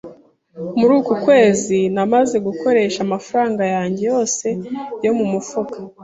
Muri uku kwezi namaze gukoresha amafaranga yanjye yose yo mu mufuka.